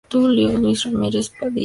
Tulio Luis Ramírez Padilla.